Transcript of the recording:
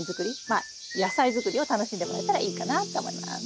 まあ野菜作りを楽しんでもらえたらいいかなと思います。